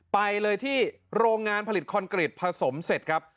ไปเลยที่โรงงานผลิตคอนกรีตผสมเสร็จครับ